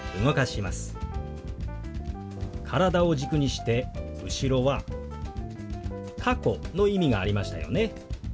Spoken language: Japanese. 体を軸にして後ろは「過去」の意味がありましたよね。